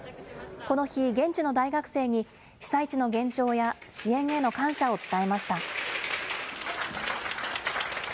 この日、現地の大学生に、被災地の現状や支援への感謝を伝えました。